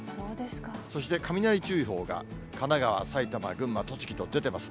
そして、雷注意報が神奈川、埼玉、群馬、栃木と出てます。